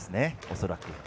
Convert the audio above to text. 恐らく。